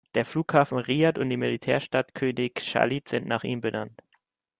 Der Flughafen Riad und die Militärstadt König Chalid sind nach ihm benannt.